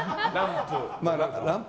ランプ？